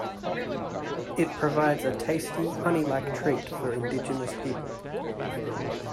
It provides a tasty, honey-like treat for indigenous people.